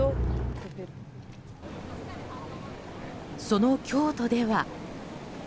その京都では。